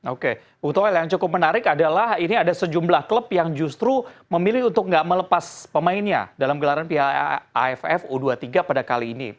oke bung toel yang cukup menarik adalah ini ada sejumlah klub yang justru memilih untuk tidak melepas pemainnya dalam gelaran piala aff u dua puluh tiga pada kali ini